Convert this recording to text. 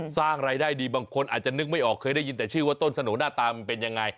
สร้างรายได้ดีบางคนอาจจะนึกไม่ออกเคยได้ยินแต่ชื่อว่าต้นสนุหน้าตามันเป็นยังไง